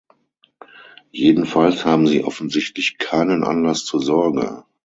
Jedenfalls haben sie offensichtlich keinen Anlass zur Sorge.